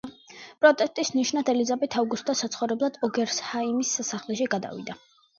პროტესტის ნიშნად ელიზაბეთ ავგუსტა საცხოვრებლად ოგერსჰაიმის სასახლეში გადავიდა.